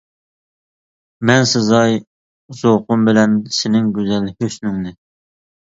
مەن سىزاي زوقۇم بىلەن سېنىڭ گۈزەل ھۆسنۈڭنى.